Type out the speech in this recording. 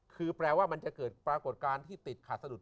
คือแปลว่ามันจะเกิดปรากฏการณ์ที่ติดขาดสะดุด